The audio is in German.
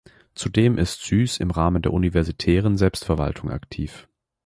Zudem ist Süß im Rahmen der universitären Selbstverwaltung aktiv.